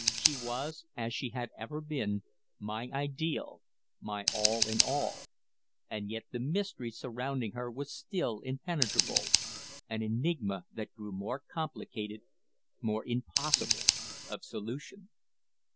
She was, as she had ever been, my ideal my all in all. And yet the mystery surrounding her was still impenetrable; an enigma that grew more complicated, more impossible of solution.